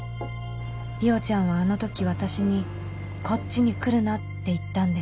「莉桜ちゃんはあの時私にこっちに来るなって言ったんです」